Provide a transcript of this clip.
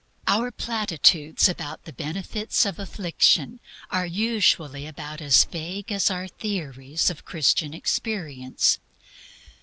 Our platitudes on the "benefits of affliction" are usually about as vague as our theories of Christian Experience.